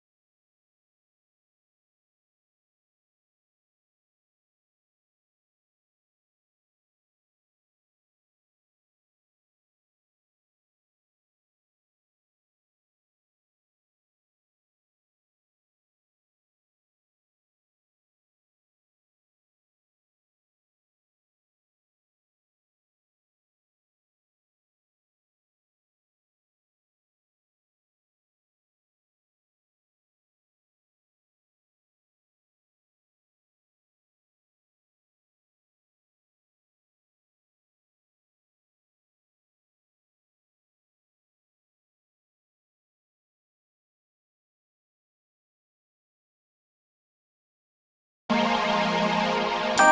mampu tengi apa ini ya udah bintik kita